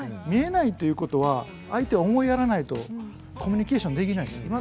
見えないということは相手を思いやらないとコミュニケーションできないです。